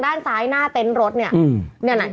นางด้านซ้ายหน้าเต้นรถเนี่ย